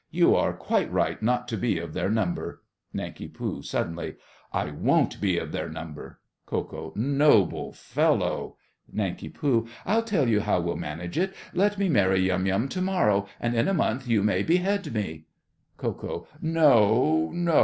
You are quite right not to be of their number. NANK. (suddenly). I won't be of their number! KO. Noble fellow! NANK. I'll tell you how we'll manage it. Let me marry Yum Yum to morrow, and in a month you may behead me. KO. No, no.